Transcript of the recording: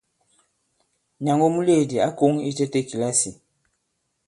Nyàŋgo muleèdì ǎ koŋ itētē kìlasì.